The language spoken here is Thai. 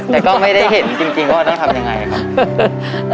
แต่ก็ไม่ได้เห็นจริงว่าวันนี้ทำยังไงครับ